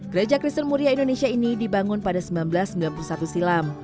gereja kristen muria indonesia ini dibangun pada seribu sembilan ratus sembilan puluh satu silam